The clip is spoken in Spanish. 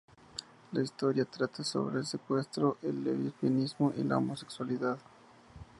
La historia trata sobre el secuestro, el lesbianismo y la homosexualidad.